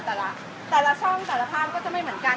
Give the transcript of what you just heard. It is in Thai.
แต่ละแต่ละช่องแต่ละภาพก็จะไม่เหมือนกัน